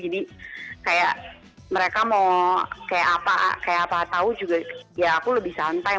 jadi kayak mereka mau kayak apa tau juga ya aku lebih santai